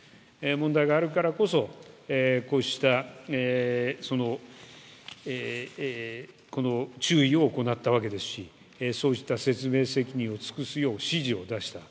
問題があるからこそこうした注意を行ったわけですしそうした説明責任を尽くすよう指示を出した。